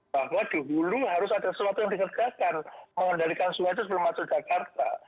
bahwa di hulu harus ada sesuatu yang dikerjakan mengendalikan semua itu sebelum masuk jakarta